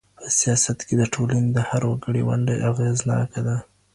په سياست کي د ټولني د هر وګړي ونډه اغېزناکه ده.